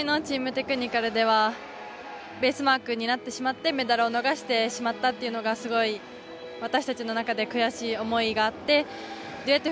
テクニカルではベースマークになってメダルを逃してしまったというのが、すごく私たちの中で悔しい思いがあってデュエット